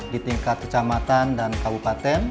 di tingkat kecamatan dan kabupaten